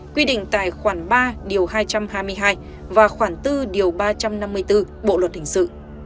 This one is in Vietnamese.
quy định tại khoảng ba hai trăm hai mươi hai và khoảng bốn ba trăm năm mươi bốn bộ luật hình sự